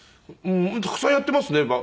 たくさんやっていますね。